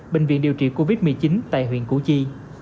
bệnh viện điều trị covid một mươi chín tại huyện củ chi